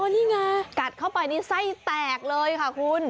นี่ไงกัดเข้าไปนี่ไส้แตกเลยค่ะคุณ